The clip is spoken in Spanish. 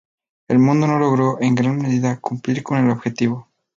El mundo no logró en gran medida cumplir con el objetivo.